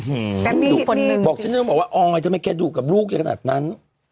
อืมบอกฉันจะไม่แค่ดูกลูกอย่าขนาดนั้น